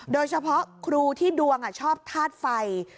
โดยเฉพาะครูที่ดวงชอบธาตุไฟ